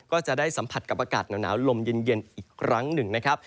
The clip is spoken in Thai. ก็จะได้สัมผัสกับอากาศหนาวลมเย็นอีกครั้งหนึ่งนะครับ